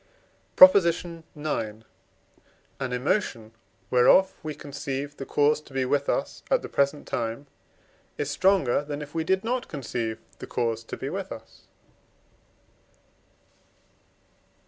PROP. IX. An emotion, whereof we conceive the cause to be with us at the present time, is stronger than if we did not conceive the cause to be with us.